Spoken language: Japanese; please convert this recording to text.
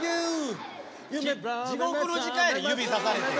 地獄の時間やで指さされて。